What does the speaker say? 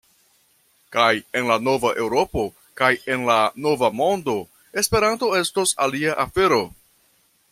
Kaj en la nova Eŭropo kaj en la nova mondo Esperanto estos alia afero.